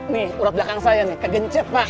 nih urat belakang saya nih kegencet pak